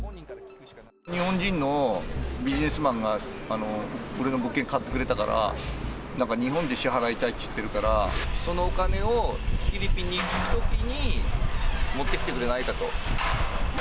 日本人のビジネスマンが、俺の物件買ってくれたから、なんか日本で支払いたいって言ってるから、そのお金を、フィリピンに行くときに持ってきてくれないかと。